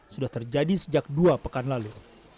sudah terjadi sejak dua pekan lalu